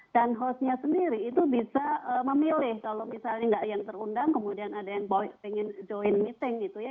dan hostnya sendiri itu bisa memilih kalau misalnya tidak yang terundang kemudian ada yang ingin join meeting gitu ya